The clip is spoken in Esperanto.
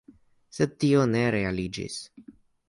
Sed tio ne realiĝis.